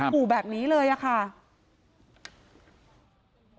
ขู่แบบนี้เลยอะค่ะ